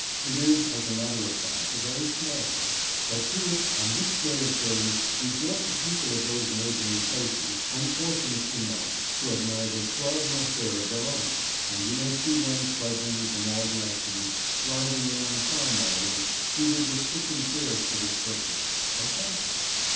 It is, as a matter of fact, a very small one, but to it on this day of days resort the people of those neighbouring places unfortunate enough to have neither club nor fair of their own, and you may see them trudging from all directions; driving in on farm wagons seated with kitchen chairs for this purpose, or cycling.